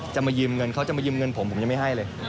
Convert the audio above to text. มายืมเงินเขาจะมายืมเงินผมผมยังไม่ให้เลย